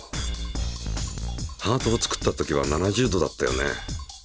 ハートを作ったときは７０℃だったよね。